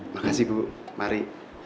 makasih bu mari